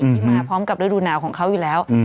ที่มาพร้อมกับฤดูหนาวของเขาอยู่แล้ว